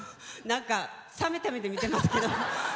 冷めた目で見てますけど。